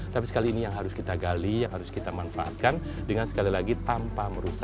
tapi sekali ini yang harus kita gali yang harus kita manfaatkan dengan sekali lagi tanpa merusak